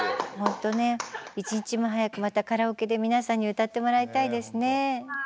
ホントね一日も早くまたカラオケで皆さんに歌ってもらいたいですね。